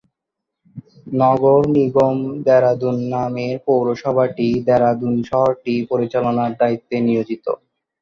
নগর নিগম দেরাদুন নামের পৌরসভাটি দেরাদুন শহরটি পরিচালনার দায়িত্বে নিয়োজিত।